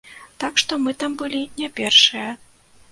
Так што мы там былі не першыя.